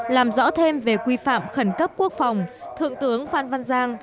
làm rõ thêm về quy phạm khẩn cấp quốc phòng thượng tướng phan văn giang